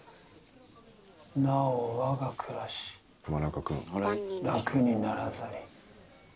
なおわが暮らし楽にならざり。